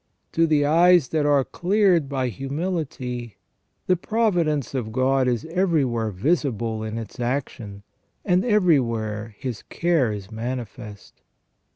To the eyes that are cleared by humility, the providence of God is everywhere visible in its action, and everywhere His care is manifest.